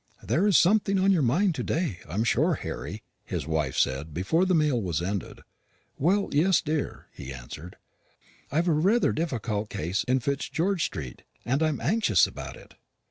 "There's something on your mind to day, I'm sure, Harry," his wife said before the meal was ended. "Well, yes, dear," he answered; "I've rather a difficult case in Fitzgeorge street, and I'm anxious about it."